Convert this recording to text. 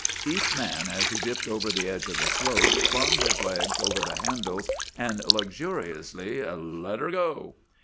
Each man, as he dipped over the edge of the slope, flung his legs over the handles and luxuriously 'let her go.